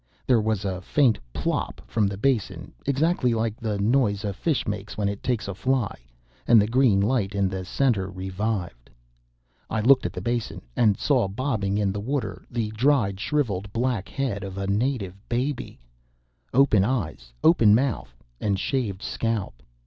There was a faint "plop" from the basin exactly like the noise a fish makes when it takes a fly and the green light in the center revived. I looked at the basin, and saw, bobbing in the water the dried, shriveled, black head of a native baby open eyes, open mouth and shaved scalp.